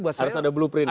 harus ada blueprint